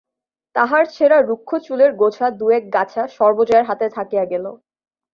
তাহার ছেঁড়া রুক্ষ চুলের গোছা দু-এক গাছা সর্বজয়ার হাতে থাকিয়া গেল।